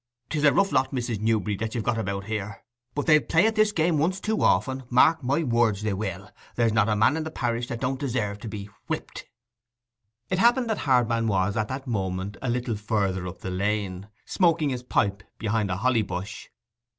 'Tis a rough lot, Mrs. Newberry, that you've got about you here; but they'll play at this game once too often, mark my words they will! There's not a man in the parish that don't deserve to be whipped.' It happened that Hardman was at that moment a little further up the lane, smoking his pipe behind a holly bush.